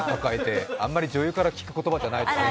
あまり女優から聞く言葉じゃないですね。